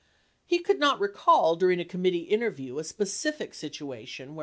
1 He could not recall during a committee interview a specific situation where 96 Malek exhibit No.